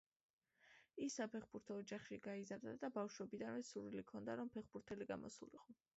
ის საფეხბურთო ოჯახში გაიზარდა და ბავშვობიდანვე სურვილი ჰქონდა, რომ ფეხბურთელი გამოსულიყო.